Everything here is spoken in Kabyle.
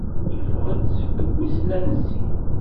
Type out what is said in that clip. Yeffeɣ-d seg wissen ansi.